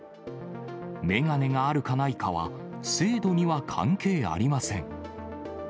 眼鏡があるかないかは、精度には関係ありません。